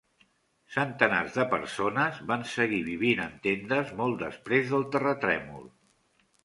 Centenars de persones van seguir vivint en tendes molt després del terratrèmol.